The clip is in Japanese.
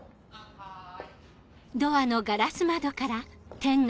はい・